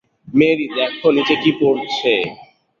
Mary, দেখো নিচে কী পড়ছে?